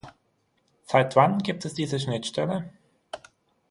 Seit wann gibt es diese Schnittstelle?